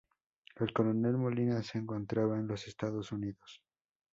El Coronel Molina se encontraba en los Estados Unidos.